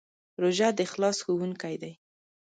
روژه د اخلاص ښوونکی دی.